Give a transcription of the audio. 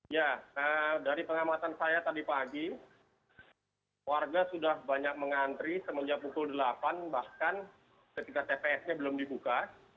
ya dari pengamatan saya tadi pagi warga sudah banyak mengantri semenjak pukul delapan bahkan ketika tps nya belum dibuka